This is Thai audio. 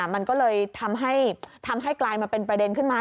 มันก็เลยทำให้กลายมาเป็นประเด็นขึ้นมา